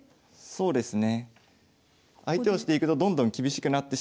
そうですね